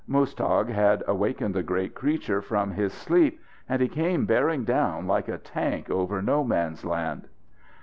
Muztagh had awakened the great creature from his sleep, and he came bearing down like a tank over "no man's land."